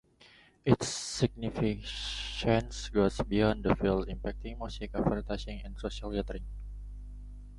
Its significance goes beyond the field, impacting music, advertising, and social gatherings.